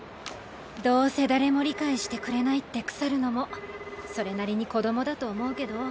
どうせ誰も理解してくれないって腐るのもそれなりに子どもだと思うけど。